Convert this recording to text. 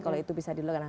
kalau itu bisa dilakukan